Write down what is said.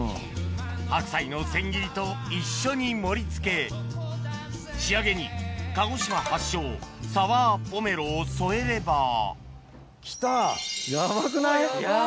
白菜の千切りと一緒に盛り付け仕上げに鹿児島発祥サワーポメロを添えれば来たヤバくない？